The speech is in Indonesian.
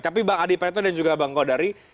tapi bang adi pratno dan bang kodari